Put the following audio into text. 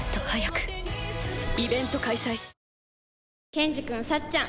ケンジくんさっちゃん